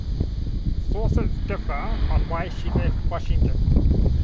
Sources differ on why she left Washington.